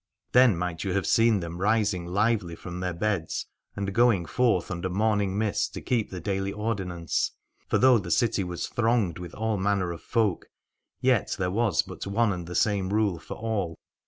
Then might you have seen them rising lively from their beds, and going forth under morning mist to keep the daily ordinance : for though the city was thronged with all manner of folk yet there was but one and the same rule for all.